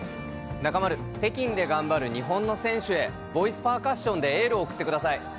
中丸、北京で頑張る日本の選手へ、ボイスパーカッションでエールを送ってください。